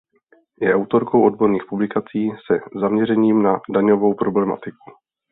Je autorkou odborných publikací se zaměřením na daňovou problematiku.